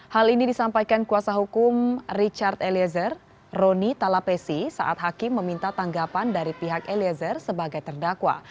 hal ini disampaikan kuasa hukum richard eliezer roni talapesi saat hakim meminta tanggapan dari pihak eliezer sebagai terdakwa